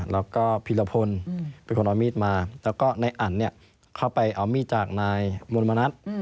แล้วก็พีรพลเป็นคนเอามีดมาแล้วก็นายอันเนี่ยเข้าไปเอามีดจากนายมณัฐ